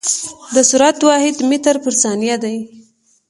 د سرعت واحد متر پر ثانیه دی.